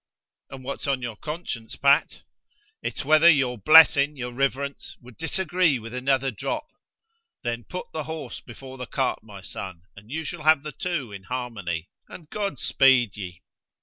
'And what's on your conscience, Pat? It's whether your blessing, your Riverence, would disagree with another drop. Then put the horse before the cart, my son, and you shall have the two in harmony, and God speed ye!'